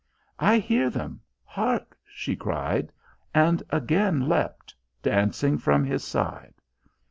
"I hear them hark!" she cried, and again leapt, dancing from his side.